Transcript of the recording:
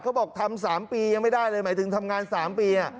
เขาบอกทำ๓ปียังไม่ได้เลยหมายถึงทำงาน๓ปี